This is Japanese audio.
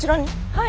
はい。